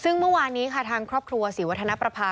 ซึ่งเมื่อวานนี้ค่ะทางครอบครัวศรีวัฒนประภา